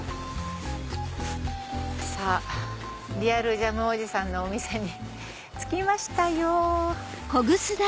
さぁリアルジャムおじさんのお店に着きましたよ。